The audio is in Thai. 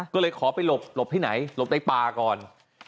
ก็เลยขอไปหลบหลบที่ไหนหลบในป่าก่อน